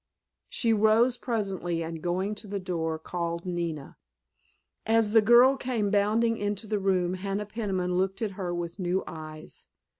She rose presently and going to the door called Nina. As the girl came bounding into the room Hannah Peniman looked at her with new eyes.